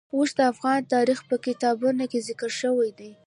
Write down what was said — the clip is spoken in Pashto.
اوښ د افغان تاریخ په کتابونو کې ذکر شوی دی.